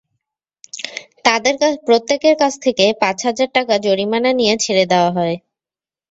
তাঁদের প্রত্যেকের কাছ থেকে পাঁচ হাজার টাকা জরিমানা নিয়ে ছেড়ে দেওয়া হয়।